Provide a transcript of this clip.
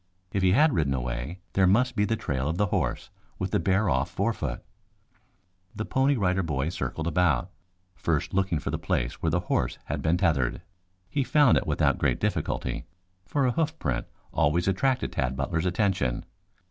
If he had ridden away there must be the trail of the horse with the bare off fore foot. The Pony Rider Boy circled about, first looking for the place where the horse had been tethered. He found it without great difficulty, for a hoofprint always attracted Tad Butler's attention.